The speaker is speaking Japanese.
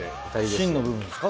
芯の部分ですか？